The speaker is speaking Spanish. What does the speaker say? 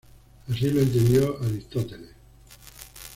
Así lo entendió Aristóteles.